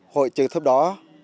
hội trưởng thấp đó